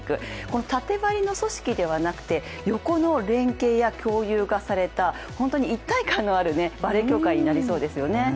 この縦割りの組織ではなくて横の連携や共有がされた本当に一体感のあるバレー協会になりそうですよね。